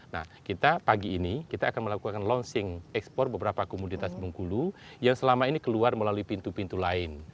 nah kita pagi ini kita akan melakukan launching ekspor beberapa komoditas bengkulu yang selama ini keluar melalui pintu pintu lain